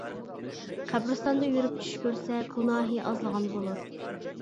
قەبرىستاندا يۈرۈپ چۈش كۆرسە گۇناھى ئازلىغان بولۇر.